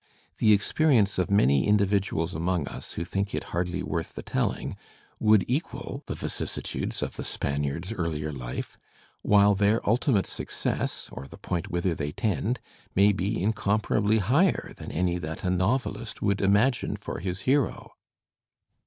The experience of many individuals among us who think it hardly worth the telling would equal the vicissitudes of the Span iard's earlier life; while their ultimate success, or the point whither they tend, may be incomparably higher than any that a novelist would imagine for his hero."